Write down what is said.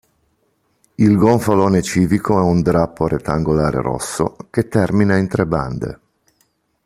Il gonfalone civico è un drappo rettangolare rosso che termina in tre bande.